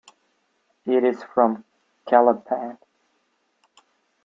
It is from Calapan.